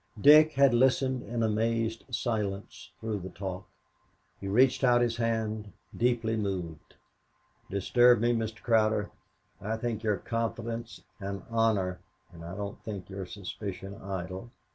Dick had listened in amazed silence through the talk. He reached out his hand, deeply moved. "Disturb me, Mr. Cowder? I think your confidence an honor, and I don't think your suspicion idle.